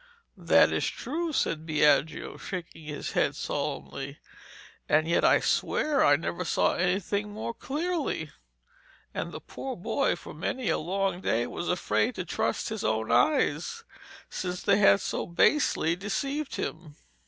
'That is true,' said Biagio, shaking his head solemnly; 'and yet I swear I never saw anything more clearly.' And the poor boy, for many a long day, was afraid to trust his own eyes, since they had so basely deceived him.